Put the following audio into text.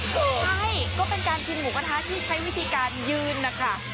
ใช่ก็เป็นการกินหมูกระทะที่ใช้วิธีการยืนนะคะ